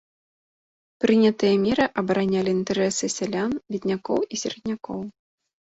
Прынятыя меры абаранялі інтарэсы сялян беднякоў і сераднякоў.